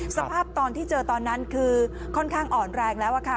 สภาพตอนที่เจอตอนนั้นคือค่อนข้างอ่อนแรงแล้วค่ะ